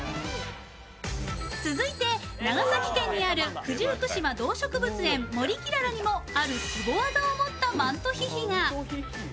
続いて長崎県にある九十九島動植物園森きららにもあるスゴ技を持ったマントヒヒが。